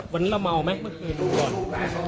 วันนี้เราเมาไหมเมื่อคืนดูก่อน